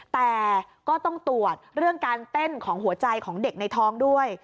แต่ก็ต้องตรวจเรื่องการเต้นของหัวใจของเด็กในท้องด้วย